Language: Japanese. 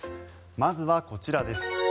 まずはこちらです。